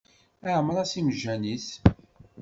Iɛemmeṛ-as imejjan-is.